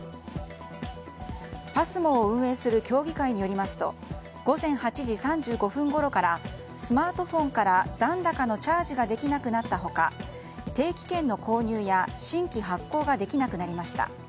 ＰＡＳＭＯを運営する協議会によりますと午前８時３５分ごろからスマートフォンから残高のチャージができなくなった他定期券の購入や新規発行ができなくなりました。